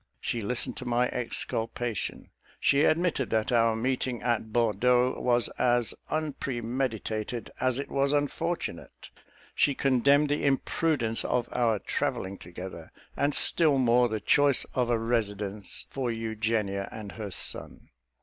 She listened to my exculpation; she admitted that our meeting at Bordeaux was as unpremeditated as it was unfortunate; she condemned the imprudence of our travelling together, and still more the choice of a residence for Eugenia and her son.